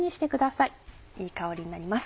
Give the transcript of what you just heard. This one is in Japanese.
いい香りになります。